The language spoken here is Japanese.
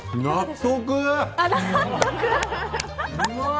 納得。